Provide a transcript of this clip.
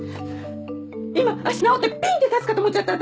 今足治ってピーンって立つかと思っちゃった